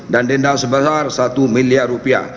dan denda sebesar satu miliar rupiah